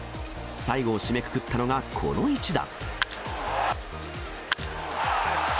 最後を締めくくったのがこの一打。